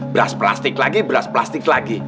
beras plastik lagi beras plastik lagi